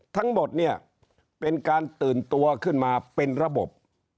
ทั้งหมดเนี่ยเป็นการตื่นตัวขึ้นมาเป็นระบบ